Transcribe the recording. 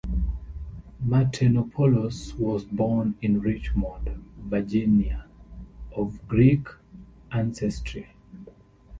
Matenopoulos was born in Richmond, Virginia, of Greek ancestry.